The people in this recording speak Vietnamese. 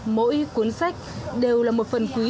mỗi cuốn sách đều là một phần quý